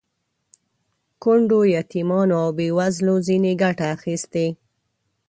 کونډو، یتیمانو او بې وزلو ځنې ګټه اخیستې.